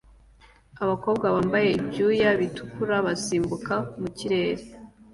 Abakobwa bambaye ibyuya bitukura basimbuka mu kirere